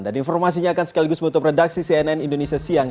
dan informasinya akan sekaligus memutup redaksi cnn indonesia siang